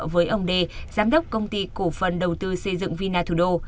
với ông đê giám đốc công ty cổ phần đầu tư xây dựng vina thủ đô